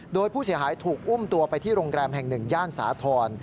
โดยผู้เสียหายถูกอุ้มตัวไปที่โรงแรมแห่งหนึ่งย่านสาธรณ์